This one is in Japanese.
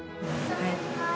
はい。